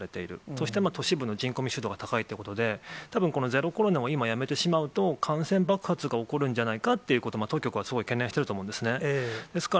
そして都市部の人口密集度が高いということで、たぶんこのゼロコロナを今やめてしまうと、感染爆発が起こるんじゃないかということを、当局はすごい懸念していると思うんですね。